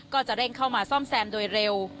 ก็จะเร่งเข้ามาซ่อมแซมโดยเร็ว